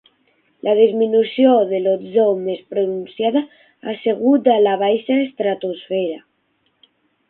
La disminució de l'ozó més pronunciada ha sigut a la baixa estratosfera.